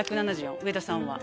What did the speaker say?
上田さんは？